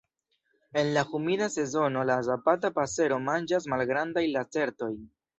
En la humida sezono la Zapata pasero manĝas malgrandajn lacertojn.